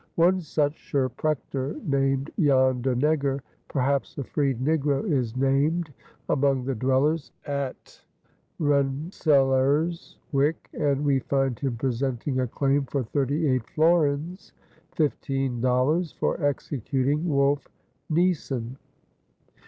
One such scherprechter named Jan de Neger, perhaps a freed negro, is named among the dwellers at Rensselaerswyck and we find him presenting a claim for thirty eight florins ($15.00) for executing Wolf Nysen.